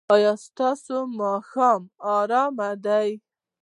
ایا ستاسو ماښام ارام دی؟